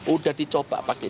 udah dicoba pakai